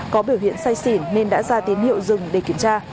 có biểu hiện say xỉn nên đã ra tín hiệu dừng để kiểm tra